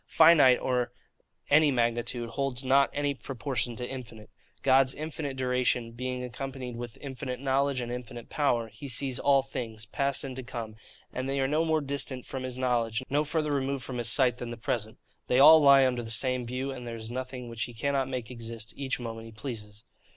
Finite or any magnitude holds not any proportion to infinite. God's infinite duration, being accompanied with infinite knowledge and infinite power, he sees all things, past and to come; and they are no more distant from his knowledge, no further removed from his sight, than the present: they all lie under the same view: and there is nothing which he cannot make exist each moment he pleases.